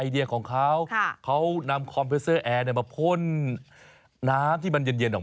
เออนั่นจริง